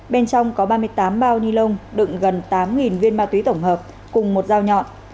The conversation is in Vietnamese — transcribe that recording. bên trong có ba mươi tám bao ni lông đựng gần tám viên ma túy tổng hợp cùng một dao nhọn